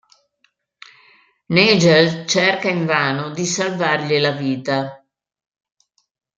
Nagel cerca invano di salvargli la vita.